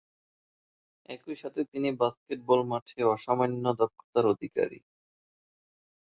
একই সাথে তিনি বাস্কেটবল মাঠে অসামান্য দক্ষতার অধিকারী।